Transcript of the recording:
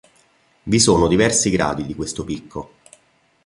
Vi sono diversi gradi di questo picco.